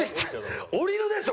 下りるでしょ！